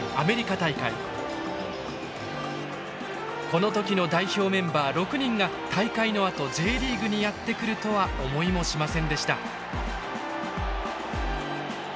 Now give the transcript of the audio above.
この時の代表メンバー６人が大会のあとＪリーグにやって来るとは思いもしませんでした。